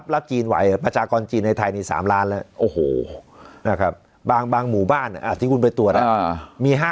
จีนไหวประชากรจีนในไทยนี่๓ล้านแล้วโอ้โหบางหมู่บ้านที่คุณไปตรวจ